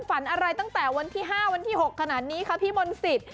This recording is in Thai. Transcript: ฝันอะไรตั้งแต่วันที่๕วันที่๖ขนาดนี้คะพี่มนต์สิทธิ